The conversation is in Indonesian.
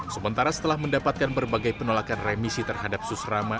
sementara setelah mendapatkan berbagai penolakan remisi terhadap susrama